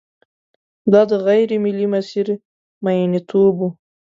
دا د غېر ملي مسیر میینتوب و.